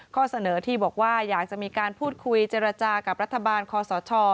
ข้อเสนอที่บอกว่าอยากจะมีการพูดคุยเจรจากับรัฐบาลคอสช